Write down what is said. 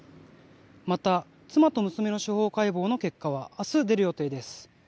また妻と娘の司法解剖の結果は明日、出る予定です。